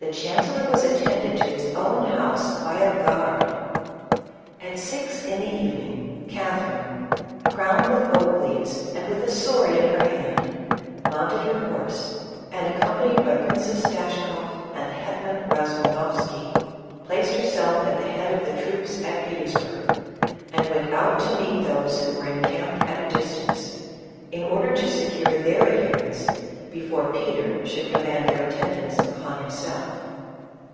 The chancellor was attended to his own house by a guard ! At six in the evening, Catherine, crowned with oak leaves and with a sword in her hand, mounted her horse, and, accompa nied by Princess Dashkoff and the hetman Razumoff sky, placed herself at the head of the troops at Peters burg, and went out to meet those who were encamped at a distance, in order to secure their adherence before Peter should command their attendance upon himself.